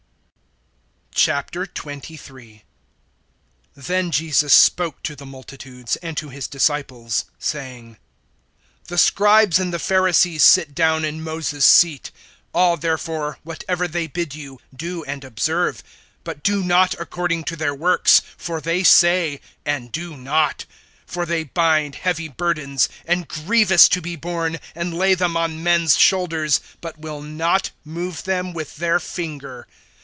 XXIII. THEN Jesus spoke to the multitudes, and to his disciples, (2)saying: The scribes and the Pharisees sat down in Moses' seat. (3)All, therefore, whatever they bid you, do and observe; but do not according to their works, for they say and do not. (4)For they bind heavy burdens and grievous to be borne, and lay them on men's shoulders, but will not move them with their finger.